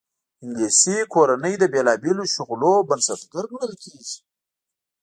انګلیسي کورنۍ د بېلابېلو شغلونو بنسټګر ګڼل کېږي.